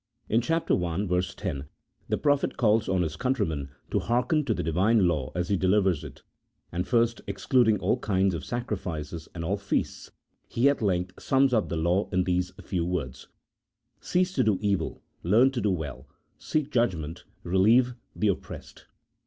In chapter i., verse 10, the prophet calls on his countrymen to hearken to the Divine law as he delivers it, and first excluding all kinds of sacrifices and all feasts, he at length sums up the law in these few words, " Cease to do evil, learn to do well: seek judgment, relieve the oppressed."